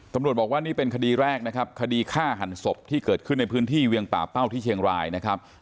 ตำรวจบอกว่านี่เป็นคดีแรกนะครับคดีฆ่าหันศพที่เกิดขึ้นในพื้นที่เวียงป่าเป้าที่เชียงรายนะครับ